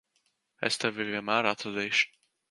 Es tevi vienmēr atradīšu.